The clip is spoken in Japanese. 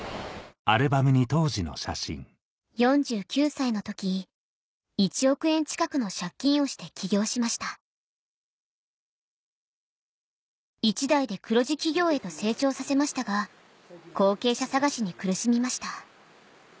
４９歳の時１億円近くの借金をして起業しました一代で黒字企業へと成長させましたが後継者探しに苦しみました